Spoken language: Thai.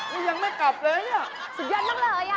นี่ยังไม่กลับเลยเนี่ย